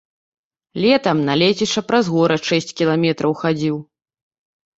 Летам на лецішча праз горад шэсць кіламетраў хадзіў.